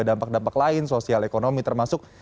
dampak dampak lain sosial ekonomi termasuk